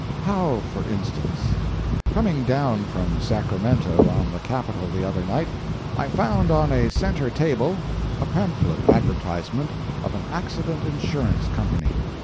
HOW FOR INSTANCE? Coming down from Sacramento on the Capital the other night, I found on a centre table a pamphlet advertisement of an Accident Insurance Company.